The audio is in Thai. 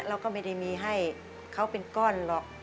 เราก็ไม่ได้มีให้เขาเป็นก้อนหรอก